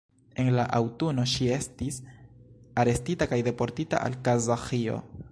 En la aŭtuno ŝi estis arestita kaj deportita al Kazaĥio.